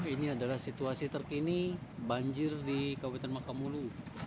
ini adalah situasi terkini banjir di kabupaten makamulu